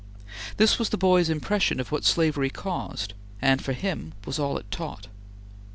This was the boy's impression of what slavery caused, and, for him, was all it taught.